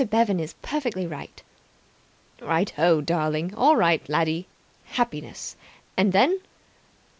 Bevan is perfectly right." "Right ho, darling! All right, laddie 'happiness'. And then?"